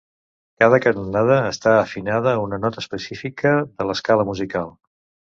Cada canonada està afinada a una nota específica de l'escala musical.